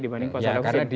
dibanding pak salehusin